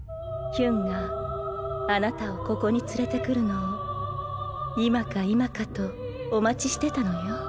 ヒュンがあなたをここに連れてくるのを今か今かとお待ちしてたのよ。